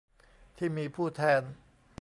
ที่มีผู้แทน